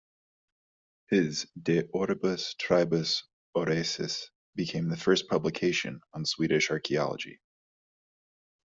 His "De orbibus tribus aureis" became the first publication on Swedish archaeology.